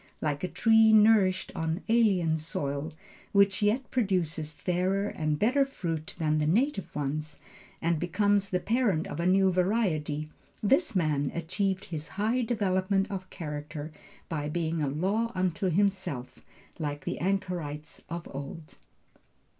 Like a tree nourished on alien soil, which yet produces fairer and better fruit than the native ones, and becomes the parent of a new variety, this man achieved his high development of character by being a law unto himself like the anchorites of old.